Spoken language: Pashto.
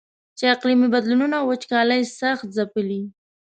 چې اقلیمي بدلونونو او وچکالۍ سخت ځپلی.